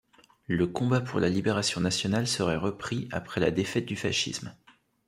Le combat pour la libération nationale serait repris après la défaite du fascisme.